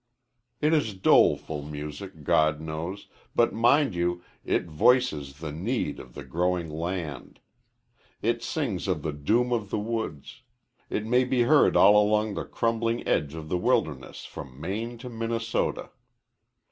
It is doleful music, God knows, but, mind you, it voices the need of the growing land. It sings of the doom of the woods. It may be heard all along the crumbling edge of the wilderness from Maine to Minnesota.